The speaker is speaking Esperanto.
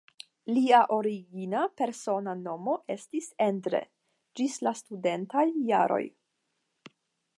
Lia origina persona nomo estis "Endre" ĝis la studentaj jaroj.